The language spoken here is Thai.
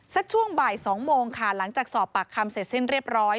ช่วงบ่าย๒โมงค่ะหลังจากสอบปากคำเสร็จสิ้นเรียบร้อย